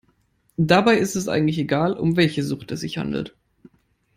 Dabei ist es eigentlich egal, um welche Sucht es sich handelt.